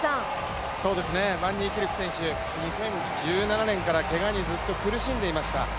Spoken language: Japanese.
そうですね、バンニーキルク選手、２０１７年からけがにずっと苦しんでいました。